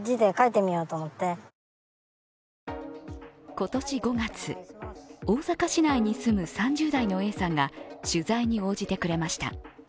今年５月、大阪市内に住む３０代のＡさんが取材に応じてくれました。